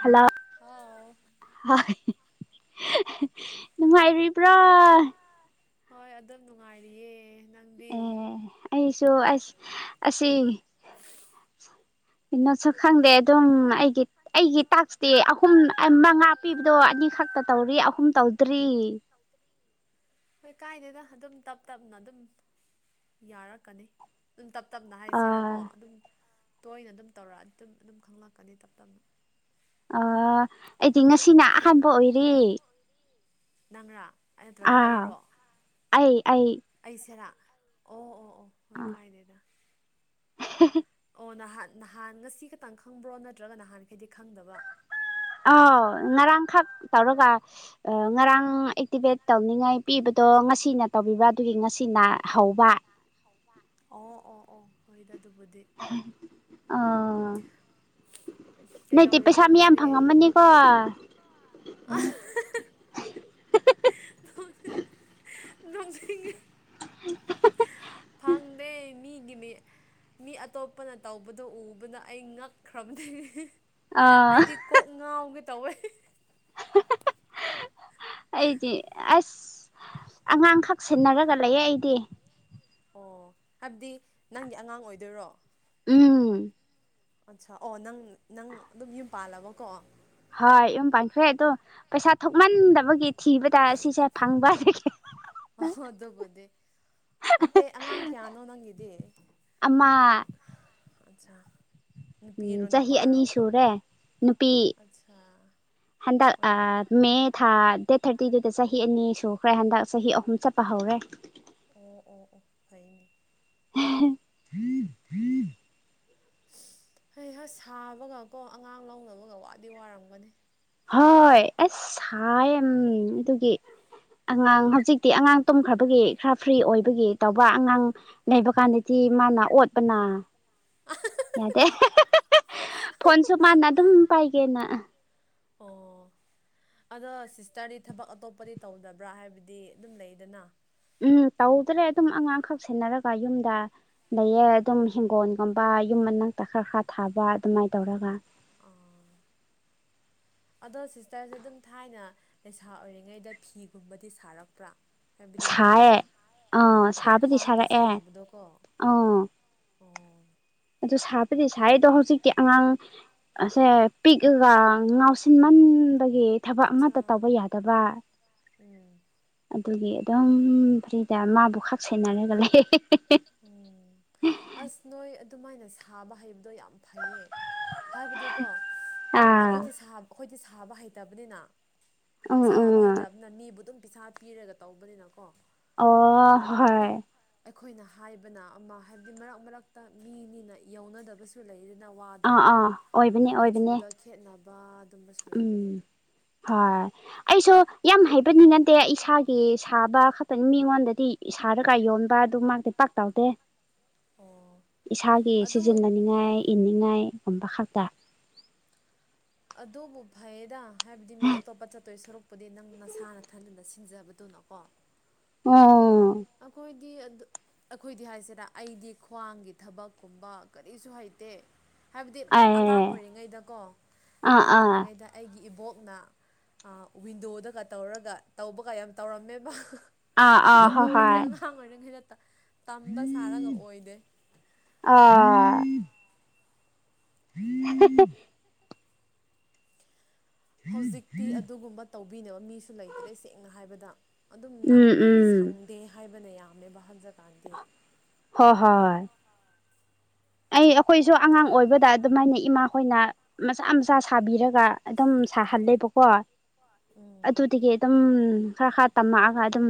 Hello ꯍꯥꯎ ꯍ ꯅꯨꯡꯉꯥꯏꯔꯤꯕ꯭ꯔꯥ ꯍꯣꯏ ꯑꯗꯨꯝ ꯅꯨꯡꯉꯥꯏꯔꯤꯌꯦ ꯅꯪꯗꯤ ꯑꯦ ꯑꯩꯁꯨ ꯑꯁ ꯑꯁꯤ ꯏꯟꯅꯁꯨ ꯈꯪꯗꯦ ꯑꯗꯨꯝ ꯑꯩꯒꯤ ꯑꯩꯒꯤ ꯇꯥꯛꯁꯇꯤ ꯑꯍꯨꯝ ꯃꯉꯥ ꯄꯤꯕꯗꯣ ꯑꯅꯤꯈꯛꯇ ꯇꯧꯔꯤ ꯑꯍꯨꯝ ꯇꯧꯗ꯭ꯔꯤ ꯍꯣꯏ ꯀꯥꯏꯗꯅ ꯑꯗꯨꯝ ꯇꯞ ꯇꯞꯅ ꯑꯗꯨꯝ ꯌꯥꯔꯛꯀꯅꯤ ꯑꯗꯨꯝ ꯇꯞ ꯇꯞꯅ ꯑꯥ ꯍꯥꯏꯁꯤꯔꯀꯣ ꯑꯗꯨꯝ ꯇꯣꯏꯅ ꯑꯗꯨꯝ ꯇꯧꯔꯛꯑ ꯑꯗꯨꯝ ꯑꯗꯨꯝ ꯈꯪꯂꯛꯀꯅꯤ ꯇꯞ ꯇꯞꯅ ꯑ ꯑꯩꯗꯤ ꯉꯁꯤꯅ ꯑꯍꯥꯟꯕ ꯑꯣꯏꯔꯤ ꯅꯪꯔ ꯑꯥ ꯑꯩ ꯑꯩ ꯔ ꯑꯣ ꯑꯣ ꯑꯣ ꯍꯣꯏ ꯀꯥꯏꯗꯦꯗ ꯎ ꯑꯣ ꯅꯍꯥꯟ ꯅꯍꯥꯟ ꯉꯁꯤ ꯈꯛꯇꯪ ꯈꯪꯕ꯭ꯔꯣ ꯅꯠꯇ꯭ꯔꯒ ꯅꯍꯥꯟ ꯑ ꯅꯔꯥꯡ ꯈꯛ ꯇꯧꯔꯒ ꯉꯔꯥꯡ ꯑꯦꯛꯇꯤꯚꯦꯠ ꯇꯧꯅꯤꯡꯉꯥꯏ ꯄꯤꯕꯗꯣ ꯉꯁꯤꯅ ꯇꯧꯕꯤꯕ ꯑꯗꯨꯒꯤ ꯉꯁꯤꯅ ꯍꯧꯕ ꯑꯣ ꯑꯣ ꯑꯣ ꯍꯣꯏꯗ ꯑꯗꯨꯕꯨꯗꯤ ꯑꯥ ꯅꯇꯦ ꯀꯩꯗꯧꯔꯤꯅꯣ ꯄꯩꯁꯥ ꯃꯤꯌꯥꯝ ꯅꯪꯗꯤ ꯐꯪꯉꯝꯃꯅꯤꯀꯣ ꯎ ꯅ ꯐꯪꯗꯦ ꯃꯤ ꯒꯤ ꯃꯤ ꯃꯤ ꯑꯇꯣꯞꯄꯅ ꯇꯧꯕꯗꯣ ꯎꯕꯅ ꯑꯩ ꯉꯛꯈ꯭ꯔꯕꯗꯒꯤ ꯑꯥ ꯍꯥꯏꯗꯤ ꯀꯣꯛ ꯉꯥꯎꯒ ꯇꯧꯋꯦ ꯑꯩꯗꯤ ꯑꯁ ꯑꯉꯥꯡꯈꯛ ꯁꯤꯟꯅꯔꯒ ꯂꯩꯌꯦ ꯑꯩꯗꯤ ꯑꯣ ꯍꯥꯏꯕꯗꯤ ꯅꯪꯒꯤ ꯑꯉꯥꯡ ꯑꯣꯏꯗꯣꯏꯔꯣ ꯎꯝ ꯑꯠꯆꯥ ꯑꯣ ꯅꯪ ꯅꯪ ꯑꯗꯨꯝ ꯌꯨꯝ ꯄꯥꯜꯂꯕꯀꯣ ꯍꯣꯏ ꯌꯨꯝ ꯄꯥꯟꯈ꯭ꯔꯦ ꯑꯗꯣ ꯄꯩꯁꯥ ꯊꯣꯛꯃꯟꯗꯕꯒꯤ ꯊꯤꯕꯗ ꯁꯤꯁꯦ ꯐꯪꯕ ꯑꯗꯨꯗꯒꯤ ꯑꯣ ꯑꯗꯨꯣꯕꯨꯣꯗꯦ ꯃꯠꯇꯦ ꯑꯉꯥꯡ ꯀꯌꯥꯅꯣ ꯅꯪꯗꯤ ꯑꯃ ꯑꯆꯥ ꯆꯍꯤ ꯑꯅꯤ ꯁꯨꯔꯦ ꯅꯨꯄꯤ ꯑꯠꯁꯥ ꯍꯟꯗꯛ ꯍꯣꯏꯅꯦꯀꯣ ꯃꯦ ꯊꯥ ꯗꯦꯠ ꯊꯥꯔꯇꯤ ꯑꯇꯤꯗꯨꯗ ꯆꯍꯤ ꯑꯅꯤ ꯁꯨꯈ꯭ꯔꯦ ꯍꯟꯗꯛ ꯆꯍꯤ ꯑꯍꯨꯝ ꯆꯠꯄ ꯍꯧꯔꯦ ꯑꯣ ꯑꯣ ꯑꯣ ꯐꯅꯦ ꯐ ꯍꯣꯏ ꯍꯁ ꯁꯥꯕꯒ ꯀꯣ ꯑꯉꯥꯡ ꯂꯧꯅꯕꯒ ꯋꯥꯗꯤ ꯋꯥꯔꯝꯒꯅꯤ ꯍꯣꯏ ꯑꯁ ꯁꯥꯏ ꯑꯗꯨꯒꯤ ꯑꯉꯥꯡ ꯍꯧꯖꯤꯛꯇꯤ ꯑꯉꯥꯡ ꯇꯨꯝꯈ꯭ꯔꯕꯒꯤ ꯈꯔ ꯐ꯭ꯔꯤ ꯑꯣꯏꯕꯒꯤ ꯇꯧꯕ ꯑꯉꯥꯡ ꯂꯩꯕ ꯀꯥꯟꯗꯗꯤ ꯃꯥꯅ ꯑꯣꯠꯄꯅ ꯌꯥꯗꯦ ꯐꯣꯟꯁꯨ ꯃꯥꯅ ꯑꯗꯨꯝ ꯄꯥꯏꯒꯦꯅ ꯑꯣ ꯑꯗꯣ ꯁꯤꯁꯇꯔꯗꯤ ꯊꯕꯛ ꯑꯇꯣꯞꯄꯗꯤ ꯇꯧꯗꯕ꯭ꯔꯥ ꯍꯥꯏꯕꯗꯤ ꯑꯗꯨꯝ ꯂꯩꯗꯅ ꯎꯝ ꯇꯧꯗ꯭ꯔꯦ ꯑꯗꯨꯝ ꯑꯉꯥꯡꯈꯛ ꯁꯦꯟꯅꯔꯒ ꯌꯨꯝꯗ ꯂꯩꯌꯦ ꯑꯣ ꯑꯗꯨꯝ ꯍꯤꯡꯒꯣꯜꯒꯨꯝꯕ ꯌꯨꯝ ꯃꯅꯥꯛꯇꯛ ꯈꯔ ꯈꯔ ꯊꯥꯕ ꯑꯗꯨꯃꯥꯏꯅ ꯇꯧꯔꯒ ꯑꯥ ꯑꯗꯣ ꯁꯤꯁꯇꯔꯁꯦ ꯑꯗꯨꯝ ꯊꯥꯏꯅ ꯂꯩꯁꯥ ꯑꯣꯏꯔꯤꯉꯩꯗ ꯐꯤꯒꯨꯝꯕꯗꯤ ꯁꯥꯔꯛꯄ꯭ꯔꯥ ꯍꯥꯏꯕꯗꯤ ꯁꯥꯏꯌꯦꯦ ꯂꯩꯗꯅ ꯑꯥ ꯑꯩꯈꯣꯏ ꯁꯥꯕꯨꯗꯤ ꯈ꯭ꯋꯥꯡꯒꯤ ꯁꯥꯔꯛꯑꯦ ꯁꯥꯕꯗꯣꯀꯣ ꯑꯥ ꯑꯣ ꯑꯗꯨ ꯁꯥꯕꯗꯤ ꯁꯥꯏ ꯑꯗꯣ ꯍꯧꯖꯤꯛꯇꯤ ꯑꯉꯥꯡ ꯑꯁꯦ ꯄꯤꯛꯑꯒ ꯉꯥꯎꯁꯤꯟꯃꯟ ꯒꯤ ꯊꯕꯛ ꯑꯠꯆꯥ ꯑꯃꯠꯇ ꯇꯧꯕ ꯌꯥꯗꯕ ꯎꯝ ꯑꯗꯨꯒꯤ ꯑꯗꯨꯝ ꯐꯔꯤꯗ ꯃꯥꯕꯨ ꯈꯥꯛ ꯁꯦꯟꯅꯔꯒ ꯂꯩ ꯎꯝ ꯑꯁ ꯅꯣꯏꯣꯏ ꯑꯗꯨꯃꯥꯏꯅ ꯁꯥꯕ ꯍꯕꯗꯣ ꯌꯥꯝ ꯐꯩꯌꯦ ꯍꯥꯏꯕꯗꯤꯀꯣ ꯑꯥ ꯑꯩꯈꯣꯏꯗꯤ ꯁꯥꯕ ꯑꯩꯈꯣꯏꯗꯤ ꯁꯥꯕ ꯍꯩꯇꯕꯅꯤꯅ ꯎꯝ ꯁꯥꯕ ꯎꯝ ꯍꯩꯇꯕꯅ ꯃꯤꯕꯨ ꯑꯗꯨꯝ ꯄꯩꯁꯥ ꯄꯤꯔꯒ ꯇꯧꯕꯅꯤꯅꯀꯣ ꯑ ꯑꯗꯨꯒ ꯍꯥꯏ ꯑꯗꯨꯝ ꯑꯩꯈꯣꯏꯅ ꯍꯥꯏꯕꯅ ꯑꯃ ꯍꯥꯏꯕꯗꯤ ꯃꯔꯛ ꯃꯔꯛꯇ ꯃꯤꯅꯤꯅ ꯌꯧꯅꯗꯕꯁꯨ ꯂꯩꯌꯦ꯫ ꯅꯋꯥꯗꯣ ꯑꯥ ꯑꯥ ꯑꯣꯏꯕꯅꯦ ꯑꯗꯨꯝ ꯑꯣꯏꯕꯅꯦ ꯃꯆꯨꯗ ꯈꯦꯠꯅ ꯄꯥꯠ꯫ ꯎꯝ ꯍꯣꯏ꯫ ꯑꯩꯁꯨ꯫ ꯌꯥꯝ ꯍꯥꯏꯕꯅꯤ ꯅꯗꯦ ꯏꯁꯥꯒꯤ ꯁꯥꯕ ꯈꯛꯇꯅꯤ ꯃꯤꯉꯣꯟꯗꯗꯤ ꯁꯥꯔꯒ ꯌꯣꯟꯕ ꯑꯗꯨ ꯃꯥꯏꯗꯤ ꯄꯥꯛ ꯇꯥꯎꯗꯦ꯫ ꯑꯣ ꯏꯁꯥꯒꯤ ꯑꯗꯨꯕꯨ ꯁꯤꯖꯤꯟꯅꯅꯤꯡꯉꯥꯏ ꯏꯅꯤꯡꯉꯥꯏ꯫ ꯑꯣꯟꯕ ꯈꯥꯇ꯫ ꯑꯗꯨꯕꯨ ꯐꯩꯌꯦꯗ꯫ ꯍꯥꯏꯕꯗꯤ ꯃꯤ ꯑꯇꯣꯞꯄ ꯆꯠꯇꯣꯏ ꯁꯔꯨꯛ꯫ ꯄꯨꯗꯤ ꯅꯪ ꯅꯁꯥ ꯅꯊꯟꯗꯅ ꯁꯤꯟꯖꯕꯗꯨꯅꯀꯣ꯫ ꯎꯪ ꯑꯈꯣꯏ꯫ ꯑꯩꯈꯣꯏꯗꯤ ꯍꯥꯏꯁꯤꯔ ꯑꯩꯗꯤ ꯈ꯭ꯋꯥꯡꯒꯤ ꯊꯕꯛꯀꯨꯝꯕ ꯀꯔꯤꯁꯨ ꯍꯩꯇꯦ꯫ ꯍꯥꯏꯕꯗꯤ ꯑꯦ ꯑꯉꯥꯡ ꯑꯣꯏꯔꯤꯉꯩꯗꯀꯣ ꯑꯥ ꯑꯉꯥꯡ ꯑꯥ ꯑꯣꯏꯔꯤꯉꯩꯗ ꯑꯩꯒꯤ ꯏꯕꯣꯛ꯫ ꯅ ꯋꯤꯟꯗꯣꯗꯒ ꯇꯧꯔꯒ ꯇꯧꯕꯒ ꯌꯥꯝ ꯇꯧꯔꯝꯃꯦꯕ꯫ ꯑꯥ ꯑꯥ ꯍꯣꯢ꯫ ꯑꯣꯏꯗꯤ ꯑꯉꯥꯡ ꯑꯣꯏꯔꯤꯉꯩ [unintelligible] ꯇꯝꯕ ꯁꯥꯔꯒ ꯑꯣꯏꯗꯦ꯫ ꯑꯥ [unintelligible] ꯍꯧꯖꯤꯛꯇꯤ ꯑꯗꯨꯒꯨꯝꯕ꯫ ꯇꯧꯕꯤꯅꯕ ꯃꯤꯁꯨ ꯂꯩꯇ꯭ꯔꯦ ꯁꯦꯡꯅ ꯍꯥꯏꯕꯗ꯫ ꯑꯗꯨꯝ ꯎꯝ ꯅꯪꯗꯦ ꯎꯝ ꯁꯪꯗꯦ ꯍꯥꯏꯕ꯫ ꯅꯌꯥꯝ ꯃꯦꯕ ꯍꯟꯖ ꯍꯣꯏ ꯍꯣꯏ꯫ ꯑꯩ ꯑꯩꯈꯣꯏꯁꯨ ꯑꯉꯥꯡ ꯑꯣꯏꯕꯗ ꯑꯗꯨꯃꯥꯏꯅ ꯏꯃꯥꯈꯣꯏꯅ ꯃꯆꯥ ꯃꯆꯥ ꯁꯥꯕꯤꯔꯒ ꯑꯗꯨꯝ ꯁꯥꯍꯜꯂꯦꯕꯀꯣ꯫ ꯑꯗꯨꯗꯒꯤ ꯑꯗꯨꯝ꯫ ꯈꯔ ꯈꯔ ꯇꯝꯃꯛꯑꯒ ꯑꯗꯨꯝ꯫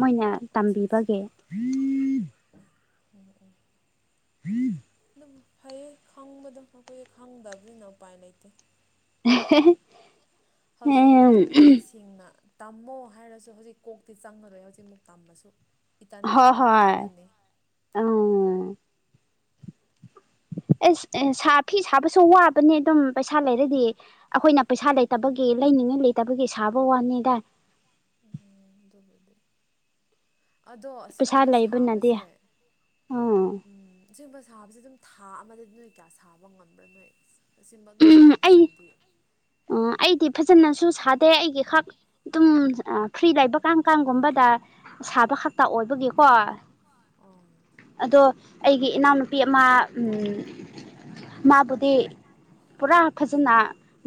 ꯃꯣꯏꯅ ꯑꯠꯆꯥ ꯑꯠꯆꯥ ꯇꯝꯕꯤꯕꯒꯤ꯫ [inaudible] [unintelligible] ꯑꯗꯨꯕꯨ ꯐꯩꯌꯦ ꯈꯪꯕꯗꯣ ꯑꯩꯈꯣꯏꯗꯤ ꯈꯪꯗꯕꯅꯤꯅ ꯎꯄꯥꯏ ꯂꯩꯇꯦ꯫ ꯍꯧꯖꯤꯛ ꯎꯝ ꯑꯗꯨꯝ ꯃꯤꯁꯤꯡꯅ꯫ ꯇꯝꯃꯣ ꯍꯥꯏꯔꯁꯨ ꯍꯧꯖꯤꯛ ꯀꯣꯛꯇꯤ ꯆꯪꯉꯔꯣꯏ ꯍꯧꯖꯤꯛ ꯃꯨꯛ ꯇꯝꯃꯥꯁꯨ ꯍꯣꯏ ꯍꯣꯏ ꯎꯝ ꯑꯁ ꯐꯤ ꯁꯥꯕꯁꯨ ꯋꯥꯕꯅꯦ ꯑꯗꯨꯝ ꯄꯩꯁꯥ ꯂꯩꯔꯗꯤ ꯑꯩꯈꯣꯏꯅ ꯄꯩꯁꯥ ꯂꯩꯇꯕꯒꯤ ꯂꯩꯅꯤꯡꯉꯥꯏ ꯂꯩꯇꯕꯒꯤ ꯁꯥꯕ ꯋꯥꯅꯤꯗ [inaudible] ꯑꯗꯣ ꯄꯩꯁꯥ ꯑꯁꯤꯒꯨꯝꯕ ꯂꯩꯕꯅꯗꯤ ꯁꯥꯕꯁꯦ ꯎꯝ ꯁꯤꯒꯨꯝꯕ ꯁꯥꯕꯕꯁꯤ ꯑꯗꯨꯝ ꯊꯥ ꯑꯃꯗꯗꯤ ꯅꯣꯏ ꯀꯌꯥ ꯁꯥꯕ ꯉꯝꯕ꯭ꯔꯥ ꯅꯣꯏ ꯑꯁꯤꯒꯨꯝꯕ ꯑꯗꯨꯝ ꯁꯥꯕꯁꯤꯡꯗꯤ ꯑ ꯥ ꯑꯩꯗꯤ ꯐꯖꯅꯁꯨ ꯁꯥꯗꯦ ꯑꯩꯒꯤ ꯈꯥꯛ ꯑꯗꯨꯝ ꯑꯥ ꯐ꯭ꯔꯤ ꯂꯩꯕ ꯀꯥꯡ ꯀꯥꯡꯒꯨꯝꯕꯗ ꯁꯥꯕ ꯈꯛꯇ ꯑꯣꯏꯕꯒꯤꯀꯣ ꯑꯣ ꯑꯗꯣ ꯑꯩꯒꯤ ꯏꯅꯥꯎꯅꯨꯄꯤ ꯑꯃ ꯃꯥꯕꯨꯗꯤ ꯄꯨꯔꯥ ꯐꯖꯅ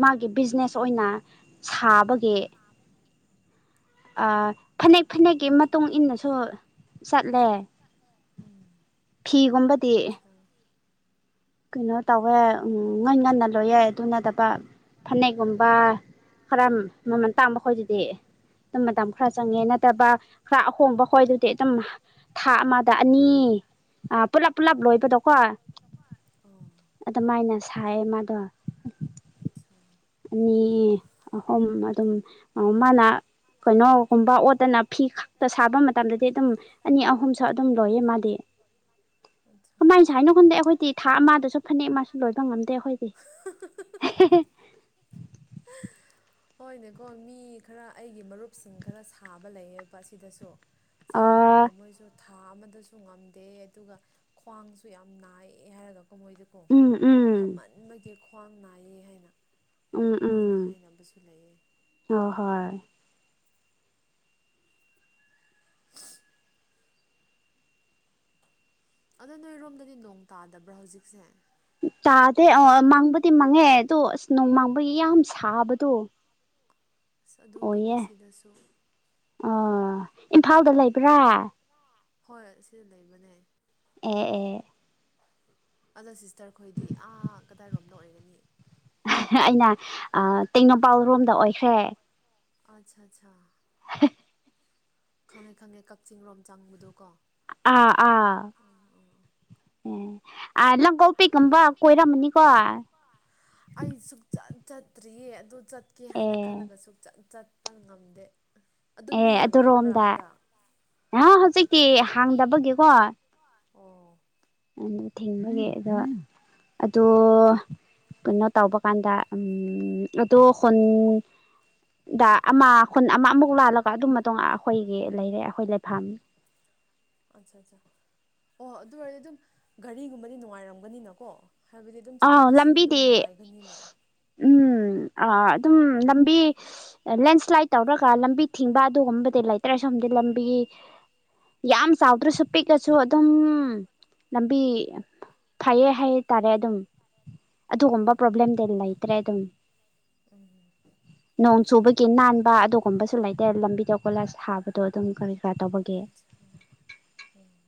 ꯃꯥꯒꯤ ꯕꯤꯖꯤꯅꯦꯁ ꯑꯣꯏꯅ ꯁꯥꯕꯒꯤ ꯐꯅꯦꯛ ꯐꯅꯦꯛꯀꯤ ꯃꯇꯨꯡ ꯏꯟꯅꯁꯨ ꯆꯠꯂꯦ ꯎꯝ ꯐꯤꯒꯨꯝꯕꯗꯤ ꯑꯆꯥ ꯀꯩꯅꯣ ꯇꯧꯋꯦ ꯎꯝ ꯉꯟ ꯉꯟꯅ ꯂꯣꯏꯌꯦ ꯑꯗꯨ ꯅꯠꯇꯕ ꯎꯝ ꯐꯅꯦꯛꯒꯨꯝꯕ ꯈꯔ ꯃꯃꯜ ꯇꯥꯡꯕ ꯈꯣꯏꯗꯨꯗꯤ ꯑꯗꯨꯝ ꯃꯇꯝ ꯈꯔ ꯆꯪꯉꯦ ꯅꯠꯇꯕ ꯈꯔ ꯑꯍꯣꯡꯕ ꯈꯣꯏꯗꯨꯗꯤ ꯑꯗꯨꯝ ꯊꯥ ꯑꯃꯗ ꯑꯅꯤ ꯄꯨꯂꯞ ꯄꯨꯜꯂꯞ ꯎꯝ ꯑꯣ ꯂꯣꯏꯕꯗꯣꯀꯣ ꯑꯗꯨꯃꯥꯏꯅ ꯁꯥꯏꯌꯦ ꯃꯥꯗꯣ ꯑꯆꯥ ꯑꯅꯤ ꯑꯍꯨꯝ ꯃꯥꯅꯥ ꯀꯩꯅꯣꯒꯨꯝꯕ ꯑꯣꯠꯇꯅ ꯐꯤ ꯈꯛꯇ ꯁꯥꯕ ꯃꯇꯝꯗꯗꯤ ꯑꯗꯨꯝ ꯑꯅꯤ ꯑꯍꯨꯝꯁꯨ ꯑꯗꯨꯝ ꯂꯣꯏꯌꯦ ꯃꯥꯗꯤ ꯑꯠꯁꯥ ꯀꯃꯥꯏꯅ ꯑꯠꯁꯥ ꯁꯥꯏꯅꯣ ꯈꯪꯗꯦ ꯑꯩꯈꯣꯏꯗꯤ ꯊꯥ ꯑꯃꯗꯁꯨ ꯐꯅꯦꯛ ꯃꯥꯁꯨ ꯂꯣꯏꯕ ꯉꯝꯗꯦ ꯑꯩꯈꯣꯏꯗꯤ ꯍꯣꯏꯅꯦꯀꯣ ꯃꯤ ꯈꯔ ꯑꯩꯒꯤ ꯃꯔꯨꯞꯁꯤꯡ ꯈꯔ ꯁꯥꯕ ꯂꯩꯌꯦꯕ ꯑꯁꯤꯗꯁꯨ ꯑꯥ ꯁꯥꯔꯒ ꯃꯣꯏꯁꯨ ꯊꯥ ꯑꯃꯗꯁꯨ ꯉꯝꯗꯦ ꯑꯗꯨꯒ ꯈ꯭ꯋꯥꯡꯁꯨ ꯌꯥꯝ ꯅꯥꯏꯌꯦ ꯍꯥꯏꯔꯒ ꯃꯍꯣꯏꯗꯔꯀꯣ ꯎꯝ ꯎꯝ ꯐꯝꯃꯟꯕꯒꯤ ꯈ꯭ꯋꯥꯡ ꯅꯥꯏꯌꯦ ꯍꯥꯏꯅ ꯎꯝ ꯎꯝ ꯑꯗꯨꯃꯥꯏꯅ ꯍꯥꯏꯅꯕꯁꯨ ꯂꯩꯌꯦ ꯍꯣꯏ ꯍꯣꯏ ꯑꯗꯣ ꯅꯣꯏꯔꯣꯝꯗꯗꯤ ꯅꯣꯡ ꯇꯥꯗꯕ꯭ꯔꯥ ꯍꯧꯖꯤꯛꯁꯦ ꯇꯥꯗꯦ ꯑꯣ ꯃꯥꯡꯕꯗꯤ ꯃꯥꯡꯉꯦ ꯑꯗꯣ ꯑꯁ ꯅꯣꯡ ꯃꯥꯡꯕꯒꯤ ꯌꯥꯝ ꯁꯥꯕꯗꯣ ꯑꯁ ꯑꯗꯨꯗꯅꯤꯅꯦ ꯁꯤꯗꯁꯨ ꯑꯣ ꯏꯝꯐꯥꯜꯗ ꯂꯩꯕ꯭ꯔꯥ ꯍꯣꯏ ꯑꯁꯤꯗ ꯂꯩꯕꯅꯦ ꯑꯦ ꯑꯦ ꯑꯗꯣ ꯁꯤꯁꯇꯔ ꯈꯣꯏꯗꯤ ꯑꯥ ꯀꯗꯥꯏꯔꯣꯝꯗ ꯑꯣꯏꯒꯅꯤ ꯑꯩꯅ ꯑ ꯇꯦꯡꯅꯧ ꯄꯥꯜ ꯔꯣꯝꯗ ꯑꯣꯏꯈ꯭ꯔꯦ ꯑꯆꯥ ꯑꯆꯥ ꯈꯪꯉꯦ ꯈꯪꯉꯦ ꯀꯛꯆꯤꯡ ꯔꯣꯝ ꯆꯪꯕꯗꯣ ꯀꯣ ꯑꯥ ꯑꯥ ꯑ ꯂꯝꯀꯣ ꯄꯤ ꯀꯨꯝꯕ ꯀꯣꯏꯔꯝꯃꯅꯤꯀꯣ ꯑꯩ ꯁꯨꯛꯆꯠ ꯆꯠꯇ꯭ꯔꯤꯌꯦ ꯑꯗꯨ ꯆꯠ ꯆꯠꯀꯦ ꯍꯥꯏꯅ ꯈꯜꯂꯒ ꯁꯨꯛꯆꯠ ꯄ ꯉꯝꯗꯦ ꯑꯗꯨꯝ ꯑꯦ ꯃꯤ ꯌꯥꯝ ꯂꯥꯛꯄ꯭ꯔꯥ ꯑꯗꯨꯔꯣꯝꯗ ꯍꯟꯗꯛ ꯅꯍꯥ ꯍꯧꯖꯤꯛꯇꯤ ꯍꯥꯡꯗꯕꯒꯤꯀꯣ ꯑꯣ ꯑꯗꯨ ꯊꯤꯡꯕꯒꯤ ꯑꯗꯣ ꯑꯗꯨ ꯀꯩꯅꯣ ꯇꯧꯕ ꯀꯥꯟꯗ ꯎꯝ ꯑꯗꯨ ꯈꯨꯨꯟꯗ ꯑꯃ ꯍꯨꯟ ꯑꯃꯃꯨꯛ ꯂꯥꯜꯂꯒ ꯑꯗꯨ ꯃꯇꯨꯡ ꯑꯩꯈꯣꯏꯒꯤ ꯂꯩꯔꯦ ꯑꯩꯈꯣꯏ ꯂꯩꯐꯝ ꯑꯠꯆꯥ ꯑꯠꯆꯥ ꯑꯣ ꯑꯗꯨ ꯑꯣꯏꯔꯗꯨꯝ ꯒꯥꯔꯤꯒꯨꯝꯕꯗꯤ ꯅꯨꯡꯉꯥꯏꯔꯝꯒꯅꯤꯅꯀꯣ ꯍꯥꯏꯕꯗꯤ ꯑꯗꯨꯝ ꯑꯥꯎ ꯆꯠꯊꯣꯛ ꯆꯠꯁꯤꯟ ꯑꯗꯨꯝ ꯂꯝꯕꯤꯗꯤ ꯅꯨꯡꯉꯥꯏꯒꯅꯤꯅ ꯑ ꯑꯗꯨꯝ ꯂꯝꯕꯤ ꯂꯦꯟꯁ꯭ꯂꯥꯏꯠ ꯇꯧꯔꯒ ꯂꯝꯕꯤ ꯊꯤꯡꯕ ꯑꯗꯨꯒꯨꯝꯕꯗꯤ ꯂꯩꯇ꯭ꯔ ꯁꯣꯝꯗꯤ ꯂꯝꯕꯤ ꯌꯥꯝ ꯆꯥꯎꯗ꯭ꯔꯁꯨ ꯄꯤꯛꯂꯁꯨ ꯑꯗꯨꯝ ꯂꯝꯕꯤ ꯐꯩꯌꯦ ꯍꯥꯏꯇꯥꯔꯦ ꯑꯗꯨꯝ ꯎꯝ ꯑꯗꯨꯒꯨꯝꯕ ꯎꯝ ꯄ꯭ꯔꯣꯕ꯭ꯂꯦꯝꯗꯤ ꯂꯩꯇ꯭ꯔꯦ ꯑꯗꯨꯝ ꯎꯝ ꯅꯣꯡ ꯆꯨꯕꯒꯤ ꯅꯥꯟꯕ ꯑꯗꯨꯒꯨꯝꯕꯁꯨ ꯂꯩꯇꯦ ꯂꯝꯕꯤꯗ ꯀꯣꯂꯥꯁ ꯊꯕꯗꯣ ꯑꯗꯨꯝ ꯀꯔꯤ ꯀꯔꯥ ꯇꯧꯕꯒꯦ ꯑꯠꯆꯥ ꯎꯝ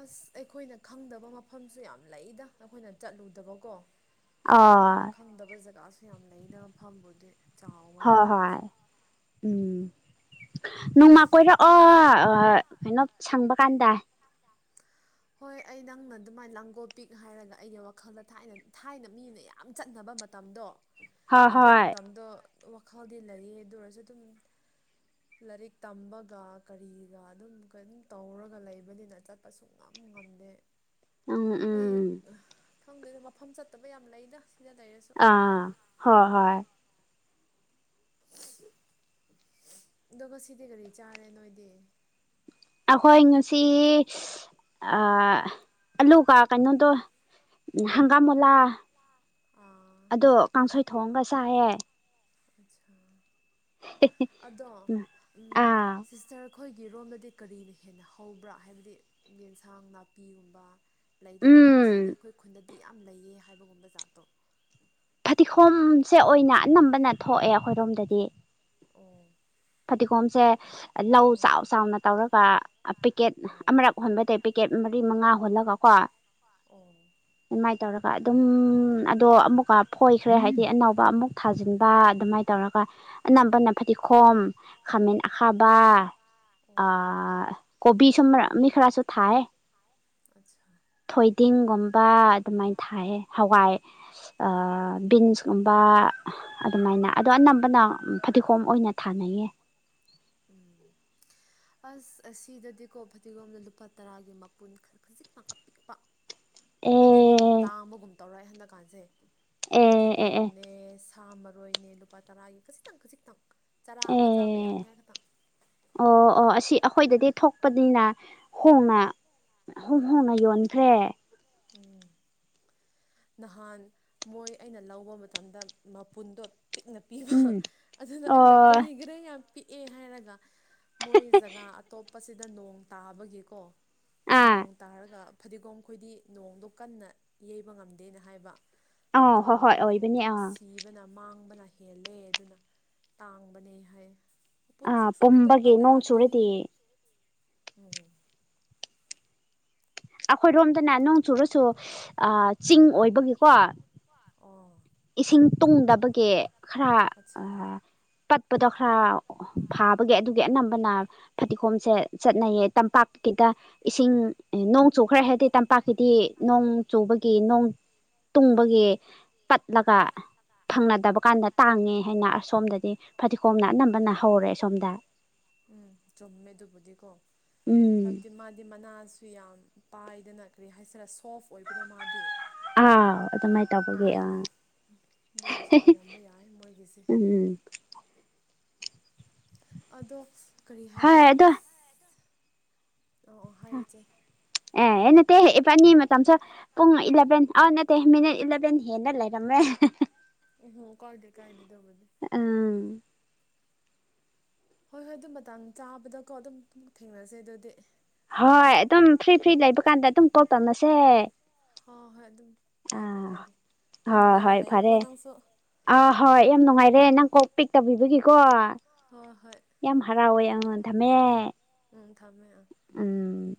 ꯑꯁ ꯑꯩꯈꯣꯏꯅ ꯈꯪꯗꯕ ꯃꯐꯝꯁꯨ ꯌꯥꯝ ꯂꯩꯗ ꯑꯩꯈꯣꯏꯅ ꯆꯠꯂꯨꯗꯕꯀꯣ ꯑꯗꯨꯝ ꯑꯥ ꯑꯩꯈꯣꯏꯅ ꯈꯪꯗꯕ ꯖꯒꯥꯁꯨ ꯌꯥꯝ ꯂꯩꯗ ꯃꯐꯝꯕꯨꯗꯤ ꯆꯥꯎꯕꯅꯤꯅ ꯍꯣꯏ ꯍꯣꯏ ꯑꯩꯈꯣꯏꯁꯨ ꯎꯝ ꯅꯣꯡꯃ ꯀꯣꯏꯔꯛꯑꯣ ꯑ ꯀꯩꯅꯣ ꯁꯪꯕ ꯀꯥꯟꯗ ꯍꯣꯏ ꯑꯩ ꯅꯪꯅ ꯑꯗꯨꯃꯥꯏ ꯂꯥꯡꯒꯣꯜ ꯄꯤꯛ ꯍꯥꯏꯔꯒ ꯑꯩꯒꯤ ꯋꯥꯈꯜꯗ ꯊꯥꯏꯅ ꯊꯥꯏꯅ ꯃꯤꯅ ꯌꯥꯝ ꯆꯠꯅꯕ ꯃꯇꯝꯗꯣ ꯍꯣꯏ ꯑꯗꯨ ꯍꯣꯏ ꯃꯇꯝꯗꯣ ꯋꯥꯈꯜꯗꯤ ꯂꯩꯌꯦ ꯑꯗꯨ ꯑꯣꯏꯔꯁꯨ ꯗꯨꯝ ꯂꯥꯏꯔꯤꯛ ꯇꯝꯕꯒ ꯀꯔꯤꯒ ꯑꯗꯨꯝ ꯀꯩꯅꯣꯝ ꯇꯧꯔꯒ ꯂꯩꯕꯅꯤꯅ ꯆꯠꯄ ꯁꯨꯉꯝ ꯉꯝꯗꯦ ꯎꯝ ꯑꯩ ꯎꯝ ꯑꯍ ꯈꯪꯗꯦꯗ ꯃꯐꯝ ꯆꯠꯇꯕ ꯌꯥꯝ ꯂꯩꯗ ꯁꯤꯗ ꯂꯩꯔꯁꯨ ꯑꯥ ꯍꯣ ꯍꯣꯏ ꯑꯗꯨꯒ ꯁꯤꯗꯤ ꯀꯔꯤ ꯆꯥꯔꯦ ꯅꯣꯏꯗꯤ ꯑꯩꯈꯣꯏ ꯉꯁꯤ ꯑ ꯑꯂꯨꯒ ꯀꯩꯅꯣꯗꯣ ꯍꯪꯒꯥꯝ ꯃꯨꯂꯥ ꯑꯥ ꯑꯗꯣ ꯀꯥꯡꯁꯣꯏ ꯊꯣꯡꯑꯒ ꯆꯥꯏꯌꯦ ꯑꯠꯁꯥ ꯑꯗꯣ ꯎꯝ ꯎꯝ ꯑꯥ ꯁꯤꯁꯇꯔ ꯈꯣꯏꯒꯤꯔꯣꯝꯗꯗꯤ ꯀꯔꯤꯅ ꯍꯦꯟꯅ ꯍꯧꯕ꯭ꯔꯥ ꯍꯥꯏꯕꯗꯤ ꯌꯦꯟꯁꯥꯡ ꯅꯥꯄꯤꯒꯨꯝꯕ ꯂꯩꯗꯅ ꯎꯝ ꯑꯁꯤꯗꯤ ꯑꯩꯈꯣꯏ ꯈꯨꯟꯗ ꯗꯤ ꯌꯥꯝ ꯂꯩꯌꯦ ꯍꯥꯏꯕꯒꯨꯝꯕ ꯖꯥꯠꯇꯣ ꯐꯗꯤꯈꯣꯝꯁꯦ ꯑꯣꯏꯅ ꯑꯅꯝꯕꯅ ꯊꯣꯛꯑꯦ ꯑꯩꯈꯣꯏꯔꯣꯝꯗꯗꯤ ꯑꯣ ꯐꯗꯤꯈꯣꯝꯁꯦ ꯂꯧ ꯆꯥꯎ ꯆꯥꯎꯅ ꯇꯧꯔꯒ ꯑ ꯄꯦꯛꯀꯦꯠ ꯑꯃꯔꯛ ꯍꯣꯟꯕꯗꯩ ꯄꯦꯀꯦꯠ ꯃꯔꯤ ꯃꯉꯥ ꯍꯨꯜꯂꯒ ꯀꯣ ꯑꯣ ꯑꯗꯨꯃꯥꯏ ꯇꯧꯔꯒ ꯑꯗꯨꯝ ꯑꯗꯣ ꯑꯃꯨꯛꯀ ꯐꯣꯏꯈ꯭ꯔꯦ ꯍꯥꯏꯗꯤ ꯑꯅꯧꯕ ꯑꯃꯨꯛ ꯊꯥꯖꯤꯟꯕ ꯑꯗꯨꯃꯥꯏ ꯇꯧꯔꯒ ꯑꯅꯝꯕꯅ ꯐꯗꯤꯈꯣꯝ ꯈꯃꯦꯟ ꯍꯥꯕ ꯑꯣ ꯑꯥ ꯀꯣꯕꯤꯁꯨ ꯃꯔꯛ ꯃꯤ ꯈꯔꯁꯨ ꯊꯥꯏ ꯑꯠꯆꯥ ꯊꯣꯏꯗꯤꯡꯒꯨꯝꯕ ꯑꯗꯨꯃꯥꯏꯅ ꯊꯥꯏꯌꯦ ꯍꯋꯥꯏ ꯑꯥ ꯕꯤꯟꯁꯀꯨꯝꯕ ꯑꯗꯨꯃꯥꯏꯅ ꯑꯗꯣ ꯑꯅꯝꯕꯅ ꯐꯗꯤꯒꯣꯝ ꯑꯣꯏꯅ ꯊꯥꯅꯩꯌꯦ꯫ ꯎꯝ ꯑꯁ ꯑꯁꯤꯗꯗꯤꯀꯣ ꯐꯗꯤꯒꯣꯝꯅ ꯂꯨꯄꯥ ꯇꯔꯥꯒꯤ ꯃꯄꯨꯟ ꯈꯔ ꯈꯖꯤꯛꯇ ꯑꯥꯄꯤꯛꯄ꯫ ꯐꯗꯤꯒꯣꯝ ꯑꯦ ꯇꯥꯃꯒꯨꯝ꯫ ꯇꯧꯔꯣꯏꯑꯦ ꯍꯟꯗꯛ ꯀꯥꯟꯖꯤ꯫ ꯑꯦ ꯑꯦ ꯐꯗꯤꯒꯣꯝ ꯑꯦ ꯅꯦꯁ꯫ ꯊ ꯃꯔꯣꯏꯅꯦ ꯂꯨꯄꯥ ꯇꯔꯥꯒꯤ ꯈꯖꯤꯛꯇꯪ ꯈꯖꯤꯛꯇꯪ꯫ ꯆꯔꯥ ꯑꯃ ꯆꯥꯕ ꯌꯥꯅꯤ ꯑꯦ ꯍꯥꯏ ꯈꯇꯪ꯫ ꯑꯣ ꯑꯣ ꯑꯁꯤ ꯑꯩꯈꯣꯏꯗꯗꯤ ꯊꯣꯛꯄꯅꯤꯅ ꯍꯣꯡꯅ ꯍꯣꯡ ꯍꯣꯡꯅ ꯌꯣꯟꯈ꯭ꯔꯦ꯫ ꯎꯝ ꯅꯍꯥꯟ ꯃꯣꯏ ꯑꯩꯅ ꯂꯧꯕ ꯃꯇꯝꯗ ꯃꯄꯨꯟꯗꯣ꯫ ꯄꯤꯛꯅ ꯄꯤꯕ ꯎꯝ ꯑꯗꯨꯅ ꯑꯣ ꯑꯩꯅ ꯀꯔꯤꯒꯤꯔ ꯌꯥꯝ꯫ ꯄꯤꯛꯑꯦ ꯍꯥꯏꯔꯒ꯫ ꯃꯣꯏ ꯖꯒꯥ ꯑꯇꯣꯞ꯫ ꯑꯁꯤꯗ ꯅꯣꯡ ꯇꯥꯕꯒꯤꯀꯣ ꯑꯥ ꯅꯣꯡ ꯇꯥꯔꯒ ꯐꯗꯤꯒꯣꯝ ꯈꯣꯏꯗꯤ꯫ ꯅꯣꯡꯗꯣ ꯀꯟꯅ ꯌꯩꯕ ꯉꯝꯗꯦꯅ ꯍꯥꯏꯕ꯫ ꯑꯥ ꯑꯗꯨ ꯍꯣꯏ ꯍꯣꯏ ꯑꯣꯏꯕꯒꯤ ꯑꯣꯏꯕꯅꯦ ꯑꯗꯨꯝ ꯑꯥ ꯁꯤꯕꯅ ꯃꯥꯡꯕꯅ꯫ ꯍꯦꯜꯂꯦ ꯑꯗꯨꯅ ꯇꯥꯡꯕꯅꯦ ꯍꯥꯏ꯫ ꯑꯥ ꯄꯨꯨꯟꯁꯨꯨꯛ ꯁꯨꯛꯄꯗ ꯂꯨꯄꯥ ꯄꯨꯝꯕꯒꯤ ꯇꯔꯥ ꯅꯣꯡ ꯄꯤꯌꯦ꯫ ꯆꯨꯔꯗꯤ ꯎꯝ ꯑꯩꯈꯣꯏꯔꯣꯝꯗꯅ ꯅꯣꯡ ꯆꯨꯔꯁꯨ ꯑꯥ ꯆꯤꯡ ꯑꯣꯏꯕꯒꯤꯀꯣ꯫ ꯑꯣ ꯏꯁꯤꯡ ꯇꯨꯡꯗꯕꯒꯤ ꯈꯔ ꯑꯠꯆꯥ ꯑꯥ ꯄꯗꯣ ꯈꯔ ꯐꯥꯕꯒꯤ ꯑꯗꯨꯒꯤ ꯑꯅꯝꯕꯅ ꯐꯗꯤꯒꯣꯝꯁꯦ ꯆꯠꯅꯩꯌꯦ ꯇꯝꯄꯥꯛꯀꯤꯗ ꯏꯁꯤꯡꯅꯣꯡ ꯆꯨꯈ꯭ꯔꯦ ꯍꯥꯏꯗꯤ ꯇꯝꯄꯥꯛꯀꯤꯗꯤ ꯅꯣꯡ ꯆꯨꯕꯒꯤ ꯅꯣꯡ ꯇꯨꯡꯕꯒꯤ ꯄꯠꯂꯒ꯫ ꯐꯪꯅꯗꯕ ꯀꯥꯟꯗ ꯇꯥꯡꯉꯦ ꯍꯥꯏꯅ ꯑꯁꯣꯝꯗꯗꯤ ꯐꯗꯤꯒꯣꯝꯅ ꯑꯅꯝꯕꯅ ꯍꯧꯔꯦ ꯑꯁꯣꯝꯗ ꯎꯝ ꯆꯨꯝꯃꯦ ꯑꯗꯨꯕꯨꯗꯤꯀꯣ ꯎꯝ꯫ ꯍꯥꯏꯕꯗꯤ ꯃꯥꯗꯤ ꯃꯅꯥꯁꯨ ꯌꯥꯝ ꯄꯥꯏꯗꯅ ꯀꯔꯤ ꯍꯥꯏꯁꯤꯔ ꯁꯣꯐ ꯑꯣꯏꯕꯗꯣ ꯃꯥꯗꯤ ꯑꯥꯎ ꯑꯗꯨꯃꯥꯏꯅ ꯇꯧꯕꯒꯤ ꯑꯥ ꯑꯗꯨꯅꯁꯨ ꯑꯣꯏꯔꯝꯕ ꯌꯥꯏ ꯃꯣꯏꯒꯤꯁꯤ꯫ ꯎꯝ ꯎꯝ ꯑꯗꯣ꯫ ꯀꯔꯤ ꯍꯥꯏꯕ ꯍꯣꯏ ꯑꯗꯣ ꯑ꯭ꯁ꯫ ꯑꯣ ꯑꯣ ꯍꯥꯏꯌꯨ ꯢꯆꯦ꯫ ꯑꯦ ꯅꯠꯇꯦ ꯐꯅꯤ ꯃꯇꯝꯁꯨ ꯄꯨꯡ ꯏꯂꯚꯦꯟ ꯑꯦ ꯅꯠꯇꯦ ꯃꯤꯅꯤꯠ ꯏꯂꯚꯦꯟ ꯍꯦꯟꯅ ꯂꯩꯔꯝꯃꯦ꯫ [unintelligible] ꯎ ꯍꯣ ꯀꯗꯦ ꯀꯥꯏꯗꯗꯕꯗꯤꯦ ꯎꯝ ꯍꯣꯏ ꯍꯣꯏ ꯑꯗꯨꯝ ꯃꯇ ꯆꯥꯕꯗꯀꯣ ꯑꯗꯨꯝꯝ ꯊꯦꯡꯅꯁꯦ ꯑꯗꯨꯗꯤ ꯍꯣꯏ ꯑꯗꯨꯝ ꯐ꯭ꯔꯤ ꯐ꯭ꯔꯤ ꯂꯩꯕ ꯀꯥꯟꯗ ꯑꯗꯨꯝ ꯀꯣꯛ ꯇꯝꯃꯁꯦ ꯍ ꯍꯣꯏ ꯑꯗꯨꯝ ꯀꯥꯏꯗꯦ ꯀꯥꯏꯗꯦ ꯍꯣꯏ ꯅꯨꯡꯉꯥꯏꯅ ꯂꯩꯌꯦꯀꯣ ꯅꯪꯁꯨ ꯑꯥ ꯍꯣꯏ ꯌꯥꯝ ꯅꯨꯡꯉꯥꯏꯔꯦ ꯅꯪ ꯀꯣꯛ ꯄꯤꯛ ꯇꯧꯕꯤꯕꯒꯤꯀꯣ ꯍꯣꯏ ꯍꯣꯏ ꯌꯥꯝ ꯍꯔꯥꯎꯋꯦ ꯑ ꯝꯃꯦ ꯎꯝ ꯊꯝꯃꯦ ꯑꯥ ꯎꯝ